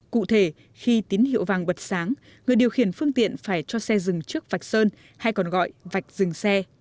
cụ thể khi tín hiệu vàng bật sáng người điều khiển phương tiện phải cho xe dừng trước vạch sơn hay còn gọi vạch dừng xe